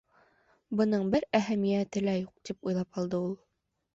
«Бының бер әһәмиәте лә юҡ», —тип уйлап алды ул.